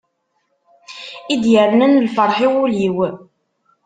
I d-yernan lferḥ i wul-iw.